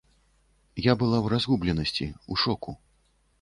Я была ў разгубленасці, ў шоку.